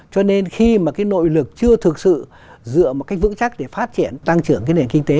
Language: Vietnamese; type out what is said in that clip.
cho nên khi mà cái nội lực chưa thực sự dựa một cách vững chắc để phát triển tăng trưởng cái nền kinh tế